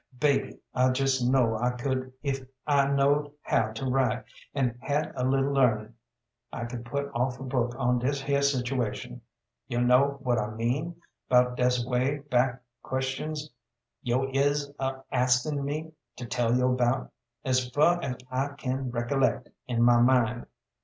Baby, I jes kno' I could if I knowed how to write, an' had a little learning I could put off a book on dis here situation. Yo' kno what I mean 'bout dese way back questions yo' is a asking me to tell yo' 'bout; as fer as I can recallect in my mind.